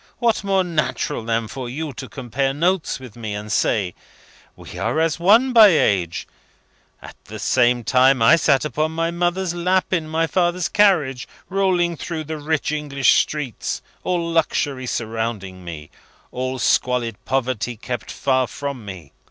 What more natural than for you to compare notes with me, and say, 'We are as one by age; at that same time I sat upon my mother's lap in my father's carriage, rolling through the rich English streets, all luxury surrounding me, all squalid poverty kept far from me.